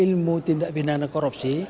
ilmu tindak pidana korupsi